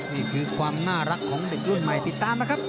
นี่คือความน่ารักของเด็กรุ่นใหม่ติดตามนะครับ